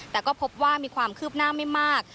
แต่ก็พบว่ามีความคืบหน้าไม่มาก